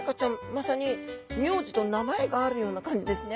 まさに名字と名前があるような感じですね。